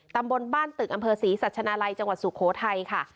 ตำบลบ้านตึกอำเภอศรีสัชนาลัยจังหวัดสุโขทัยค่ะ